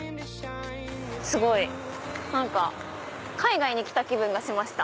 すごい海外に来た気分がした。